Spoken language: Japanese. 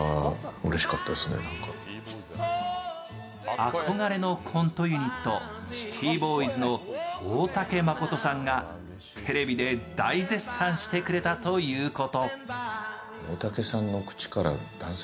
憧れのコントユニット・シティボーイズの大竹まことさんがテレビで大絶賛してくれたということ。